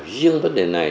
riêng vấn đề này